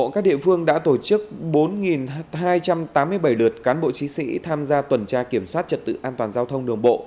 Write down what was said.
các địa phương đã tổ chức bốn hai trăm tám mươi bảy lượt cán bộ chiến sĩ tham gia tuần tra kiểm soát trật tự an toàn giao thông đường bộ